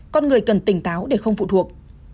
con người cần tỉnh táo để không phụ thuộc